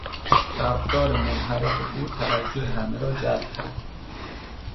رفتار منحرف او توجه همه را جلب کرد.